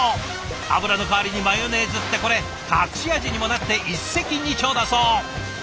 油の代わりにマヨネーズってこれ隠し味にもなって一石二鳥だそう。